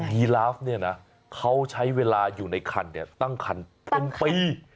ฮีลาฟเนี่ยนะเขาใช้เวลาอยู่ในคันตั้งคันเป็นปี